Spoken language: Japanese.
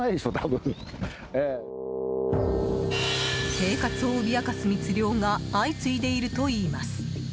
生活を脅かす密漁が相次いでいるといいます。